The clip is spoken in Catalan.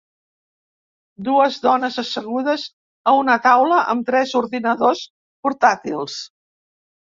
Dues dones assegudes a una taula amb tres ordinadors portàtils.